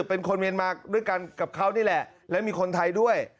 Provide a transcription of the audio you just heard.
เป็นคนเมียนมาด้วยกันกับเขานี่แหละและมีคนไทยด้วย